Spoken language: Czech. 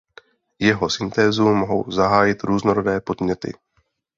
Jeho syntézu mohou zahájit různorodé podněty.